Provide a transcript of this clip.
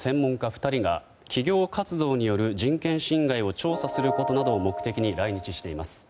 ２人が企業活動による人権侵害を調査することなどを目的に来日しています。